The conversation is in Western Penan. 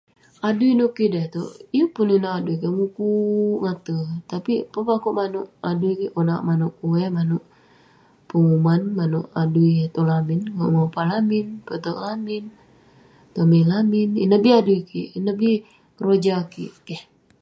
Adui nouk kik da itouk, yeng pun inouk adui kik...mukuk ngate..Tapik pun peh akouk manouk adui kik konak manouk kueh, manouk penguman, manouk adui yah tong lamin, akouk mopa lamin, poterk lamin, petome lamin..ineh bi adui kik, ineh bi keroja kik..keh..